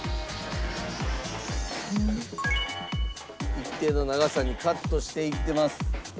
一定の長さにカットしていってます。